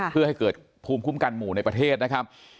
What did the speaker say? เพื่อให้เกิดภูมิคุ้มกันหมู่ในประเทศนะครับ